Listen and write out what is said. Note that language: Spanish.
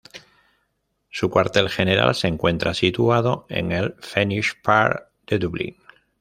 Su cuartel general se encuentra situado en el Phoenix Park de Dublín.